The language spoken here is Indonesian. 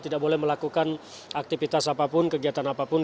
tidak boleh melakukan aktivitas apapun kegiatan apapun